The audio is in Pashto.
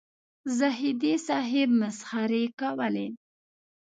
زاهدي صاحب مسخرې کولې.